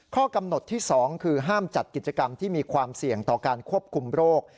ข้อกำหนดที่๒คือห้ามจัดกิจกรรมที่มีความเสี่ยงต่อการควบคุมโรค